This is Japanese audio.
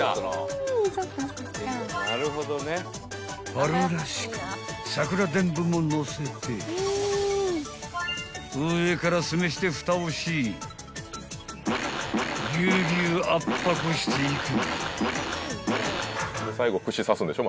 ［春らしく桜でんぶものせて上から酢飯でふたをしギューギュー圧迫していく］